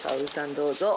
どうぞ。